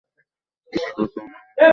Kitty, প্রথমে আমরা soup serve করবো।